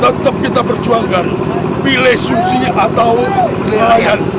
tetap kita berjuangkan pilih suci atau nelayan